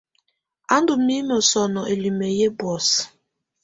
A ndù mimǝ sɔnɔ ǝlimǝ yɛ bɔ̀ósɛ.